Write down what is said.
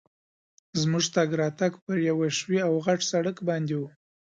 زموږ تګ راتګ پر یوه ښوي او غټ سړک باندي وو.